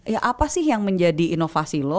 ya apa sih yang menjadi inovasi lo